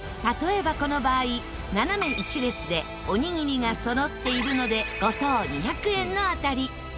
例えばこの場合斜め１列でおにぎりが揃っているので５等２００円の当たり。